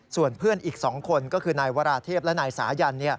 ส่วนเพื่อนอีก๒คนก็คือนายวราเทพและนายสายัน